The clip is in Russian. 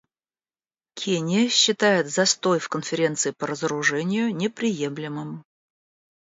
Кения считает застой в Конференции по разоружению неприемлемым.